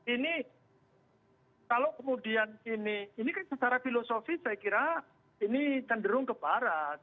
ini kalau kemudian ini ini kan secara filosofi saya kira ini cenderung ke barat